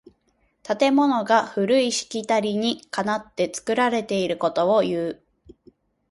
建物が古いしきたりにかなって作られていることをいう。